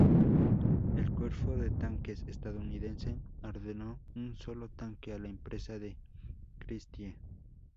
El Cuerpo de Tanques estadounidense ordenó un solo tanque a la empresa de Christie.